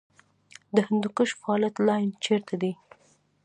د هندوکش فالټ لاین چیرته دی؟